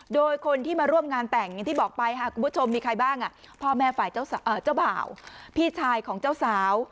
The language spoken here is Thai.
โดยคนที่มาร่วมงานแต่งอย่างที่บอกไปค่ะคุณผู้ชมมีใครบ้างพ่อแม่ฝ่ายเจ้าบ่าวพี่ชายของเจ้าสาว